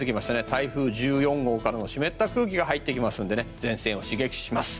台風１４号からの湿った空気が入ってきますので前線を刺激します。